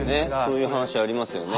そういう話ありますよね。